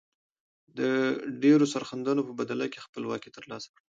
د ډیرو سرښندنو په بدله کې خپلواکي تر لاسه کړه.